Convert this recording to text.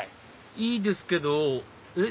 いいですけどえっ